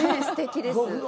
すてきです。